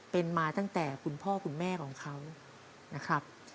เป็นมาตั้งแต่คุณพ่อคุณแม่ของเขานะครับ